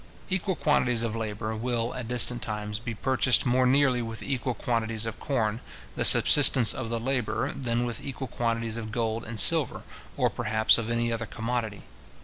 Equal quantities of labour will, at distant times, be purchased more nearly with equal quantities of corn, the subsistence of the labourer, than with equal quantities of gold and silver, or, perhaps, of any other commodity.